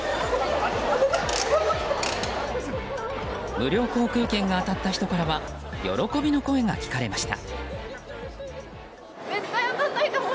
無料航空券が当たった人からは喜びの声が聞かれました。